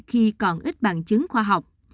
khi còn ít bằng chứng khoa học